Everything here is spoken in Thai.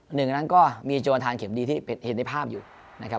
หนึ่งนั้นก็มีโจทานเข็มดีที่เห็นในภาพอยู่นะครับ